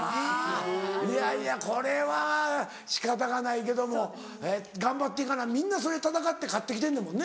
いやいやこれは仕方がないけども頑張って行かなみんなそれ戦って勝って来てんねもんね。